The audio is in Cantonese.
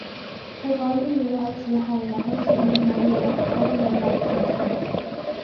佢講啲嘢，好似係，又好似唔係喎，搞到人矇查查